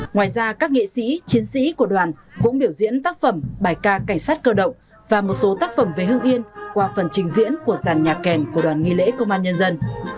ngoài ra các nghệ sĩ chiến sĩ của đoàn cũng biểu diễn tác phẩm bài ca cảnh sát cơ động và một số tác phẩm về hưng yên qua phần trình diễn của dàn nhạc kèn của đoàn nghi lễ công an nhân dân